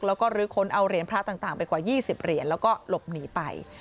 แล้วก็ลื้อค้นเอาเหรียญพระต่างไปกว่า๒๐เหรียญแล้วก็หลบหนีไป